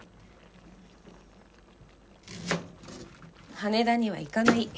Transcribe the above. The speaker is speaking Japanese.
羽田には行かない。